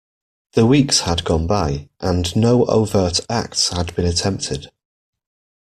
The weeks had gone by, and no overt acts had been attempted.